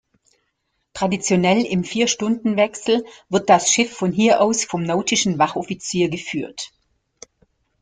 Traditionell im Vier-Stunden-Wechsel wird das Schiff von hier aus vom nautischen Wachoffizier geführt.